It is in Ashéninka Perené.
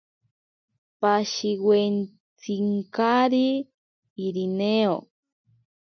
Pashiwentsinkari Irineo.